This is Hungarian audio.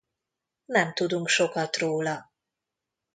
Nem tudunk sokat róla.